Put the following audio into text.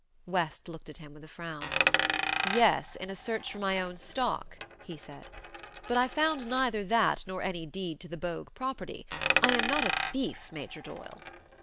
West looked at him with a frown. "Yes; in a search for my own stock," he said. "But I found neither that nor any deed to the Bogue property. I am not a thief, Major Doyle."